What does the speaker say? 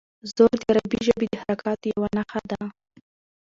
زور د عربي ژبې د حرکاتو یوه نښه ده.